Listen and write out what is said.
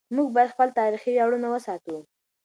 موږ باید خپل تاریخي ویاړونه وساتو.